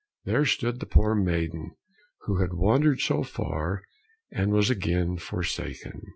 There stood the poor maiden who had wandered so far and was again forsaken.